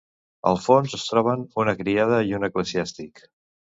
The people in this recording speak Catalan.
Al fons es troben una criada i un eclesiàstic.